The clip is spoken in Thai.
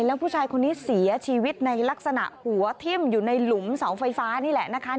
แล้วผู้ชายคนนี้เสียชีวิตในลักษณะหัวทิ้มอยู่ในหลุมเสาไฟฟ้านี่แหละนะคะ